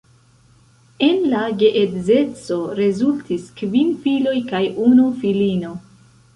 El la geedzeco rezultis kvin filoj kaj unu filino.